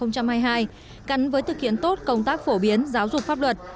cắn với thực hiện tốt công tác phổ biến giáo dục pháp luật